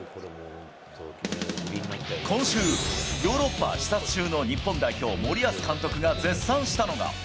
今週、ヨーロッパ視察中の日本代表、森保監督が絶賛したのが。